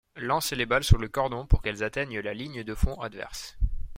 Lancer les balles sous le cordon pour qu’elles atteignent la ligne de fond adverse.